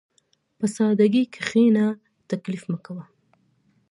په سادهګۍ کښېنه، تکلف مه کوه.